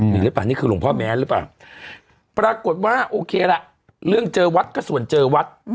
หรือเปล่านี่คือหลวงพ่อแม้นหรือเปล่าปรากฏว่าโอเคล่ะเรื่องเจอวัดก็ส่วนเจอวัด